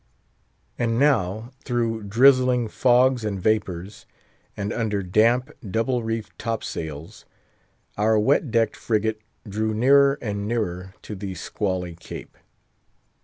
And now, through drizzling fogs and vapours, and under damp, double reefed top sails, our wet decked frigate drew nearer and nearer to the squally Cape.